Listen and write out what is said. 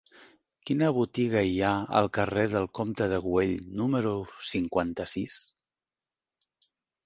Quina botiga hi ha al carrer del Comte de Güell número cinquanta-sis?